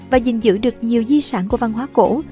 và gìn giữ được nhiều di sản của văn hóa cổ